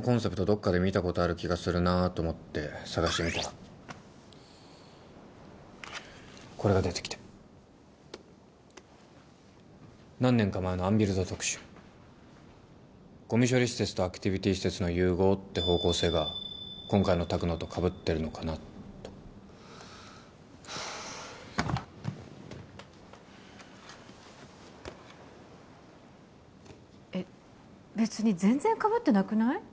どっかで見たことある気がするなと思って探してみたらこれが出てきて何年か前のアンビルド特集ゴミ処理施設とアクティビティ施設の融合って方向性が今回の拓のとかぶってるのかなとえっ別に全然かぶってなくない？